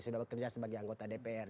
sudah bekerja sebagai anggota dpr